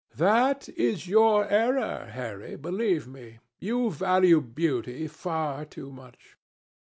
"That is your error, Harry, believe me. You value beauty far too much."